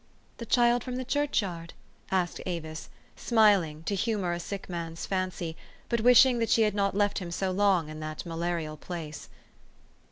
"The child from the churchyard?" asked Avis, smiling, to humor a sick man's fancy, but wishing that she had not left him so long in that malarial place.